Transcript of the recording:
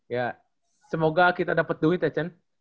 ya semoga kita dapet duit ya c